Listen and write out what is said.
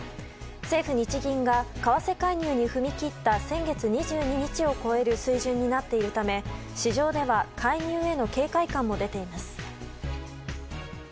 政府・日銀が為替介入に踏み切った先月２２日を超える水準になっているため市場では介入への警戒感も出ています。